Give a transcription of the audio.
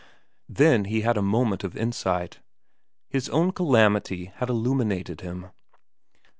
Then he had a moment of insight. His own calamity had illuminated him.